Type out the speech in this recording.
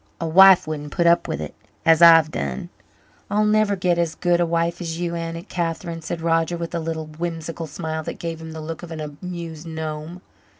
A wife wouldn't put up with it, as I've done." "I'll never get as good a wife as you, Aunt Catherine," said Roger with a little whimsical smile that gave him the look of an amused gnome.